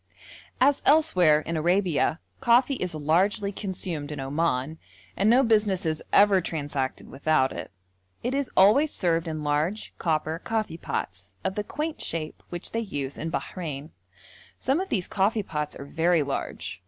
As elsewhere in Arabia, coffee is largely consumed in Oman, and no business is ever transacted without it; it is always served in large, copper coffee pots, of the quaint shape which they use in Bahrein. Some of these coffee pots are very large.